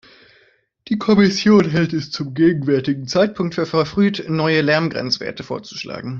Die Kommission hält es zum gegenwärtigen Zeitpunkt für verfrüht, neue Lärmgrenzwerte vorzuschlagen.